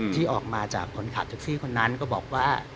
ที่ออกมาจากคนขับแท็กซี่คนนั้นก็บอกว่า